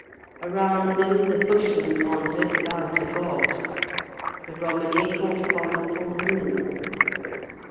Around them the Bushmen wandered without a god; the Romany called upon the full moon.